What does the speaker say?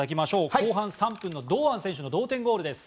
後半３分の堂安選手の同点ゴールです。